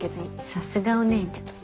さすがお姉ちゃん。